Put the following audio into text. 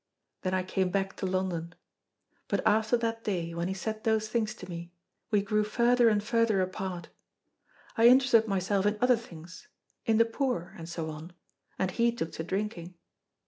Then I came back to London. But after that day when he said those things to me, we grew further and further apart. I interested myself in other things, in the poor, and so on, and he took to drinking.